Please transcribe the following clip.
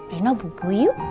reina bubu yuk